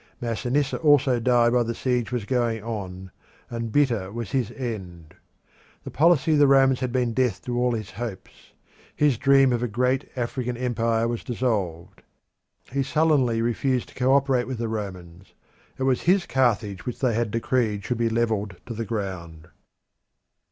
Masinissa also died while the siege was going on, and bitter was his end. The policy of the Romans had been death to all his hopes. His dream of a great African empire was dissolved. He sullenly refused to co operate with the Romans it was his Carthage which they had decreed should be levelled to the ground.